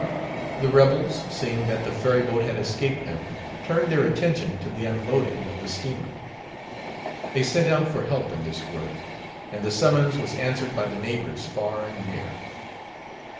The rebels, seeing that the ferry boat had escaped them, turned their attention to the unloading of the steamer. They sent out for help in this work, and the summons was answered by the neighbors far and near.